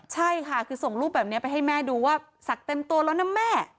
ใช่ค่ะคือส่งรูปแบบนี้ไปให้แม่ดูว่าสักเต็มตัวแล้วนะแม่